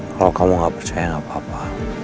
kalau kamu gak percaya gak apa apa